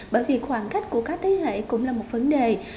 bởi vì khoảng cách của các thế hệ cũng là một vấn đề